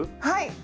はい！